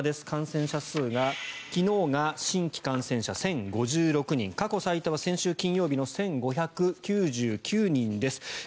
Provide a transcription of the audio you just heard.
感染者数が昨日が新規感染者１０５６人過去最多は先週金曜日の１５９９人です。